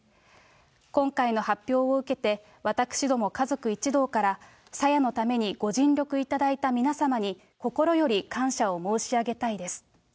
今回の発表を受けて、私ども家族一同から、さやのためにご尽力いただいた皆様に心より感謝を申し上げたいです。